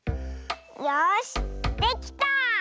よしできた！